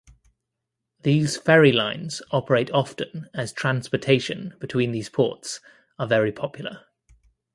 These ferry lines operate often as transportation between these ports are very popular.